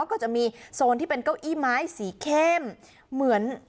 ก็จะมีโซนที่เป็นเก้าอี้ไม้สีเข้มเหมือน